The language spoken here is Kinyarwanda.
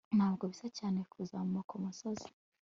Ntabwo bisa cyane kuzamuka umusozi